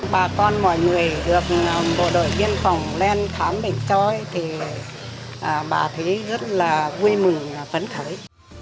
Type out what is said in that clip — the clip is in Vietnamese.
bà con mọi người được bộ đội biên phòng lên khám định cho ấy thì bà thấy rất là vui mừng và phấn khởi